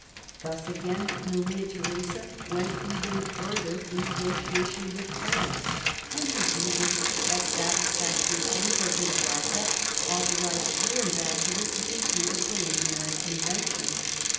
Thus again Maria Theresa went even further in negotiation with France ; and, believing that satisfactory terms had been arrived at, authorised her ambassador to conclude a preliminary convention.